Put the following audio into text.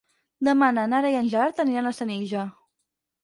Demà na Nara i en Gerard aniran a Senija.